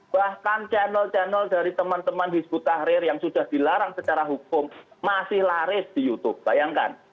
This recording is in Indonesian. bahkan channel channel dari teman teman hizbut tahrir yang sudah dilarang secara hukum masih laris di youtube bayangkan